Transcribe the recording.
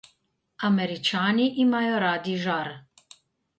Američani imajo radi žar.